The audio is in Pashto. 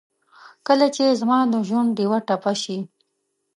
کله چې زما دژوندډېوه ټپه شي